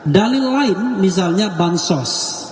dalil lain misalnya bansos